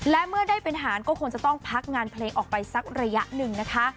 และเมื่อได้เป็นหารก็คงจะต้องพักงานเพลงออกไปสักระยะหนึ่งนะคะ